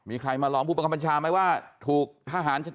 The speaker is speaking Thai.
มีใครมาร้องผู้ปกปรรรชาไหมว่าถูกทหารคนนี้